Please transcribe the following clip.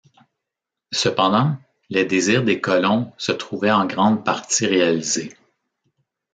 Cependant, les désirs des colons se trouvaient en grande partie réalisés.